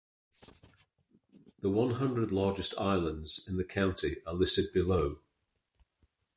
The one hundred largest islands in the county are listed below.